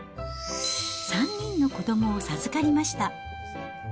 ３人の子どもを授かりました。